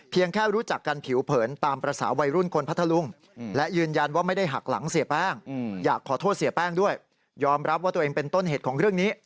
เพียงแค่รู้จักกันผิวผลตามภาษาวัยรุ่นคนพัทรลุง